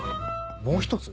もう一つ？